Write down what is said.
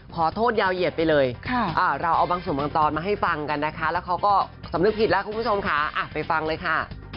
ขอโทษยาวเหยียดไปเลยเราเอาบางส่วนบางตอนมาให้ฟังกันนะคะแล้วเขาก็สำนึกผิดแล้วคุณผู้ชมค่ะไปฟังเลยค่ะ